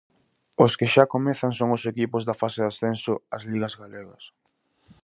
Os que xa comezan son os equipos da fase de ascenso ás ligas galegas.